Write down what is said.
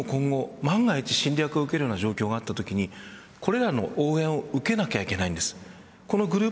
逆にいうと日本も今後、万が一侵略を受けるような状況があったときこれらの応援を受けなきゃいけないんです。